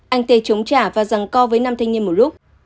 anh tê chống trả và răng co với nam thanh niên một lúc